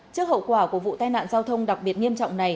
trước hậu quả của vụ tai nạn giao thông đặc biệt nghiêm trọng này